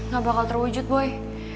gak bakal terwujud boy